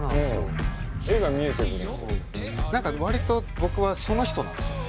何か割と僕はその人なんです。